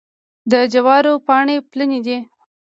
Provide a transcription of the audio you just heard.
د جوارو پاڼې پلنې دي.